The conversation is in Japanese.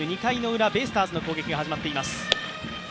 ベイスターズの攻撃が始まっています。